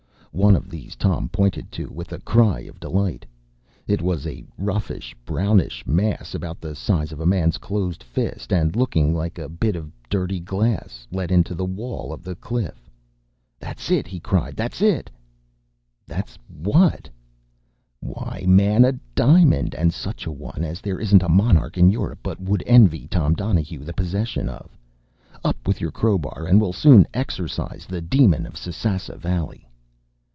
One of these Tom pointed to with a cry of delight. It was a roughish, brownish mass about the size of a man’s closed fist, and looking like a bit of dirty glass let into the wall of the cliff. “That’s it!” he cried “that’s it!” “That’s what?” “Why, man, a diamond, and such a one as there isn’t a monarch in Europe but would envy Tom Donahue the possession of. Up with your crowbar, and we’ll soon exorcise the demon of Sasassa Valley!